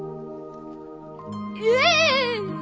ええ！？